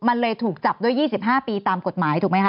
มันเลยถูกจับด้วย๒๕ปีตามกฎหมายถูกไหมค